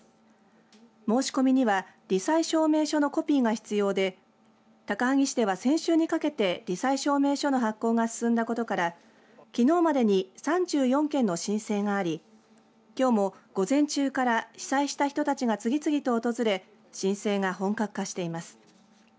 申し込みにはり災証明書のコピーが必要で高萩市では先週にかけてり災証明書発行が進んだことからきのうまでに３４件の申請がありきょうも午前中から被災した人たちが次々と訪れ申請が本格化しています。